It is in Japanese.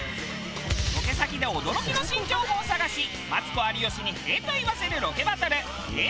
ロケ先で驚きの新情報を探しマツコ有吉に「へぇ」と言わせるロケバトルへぇダービー。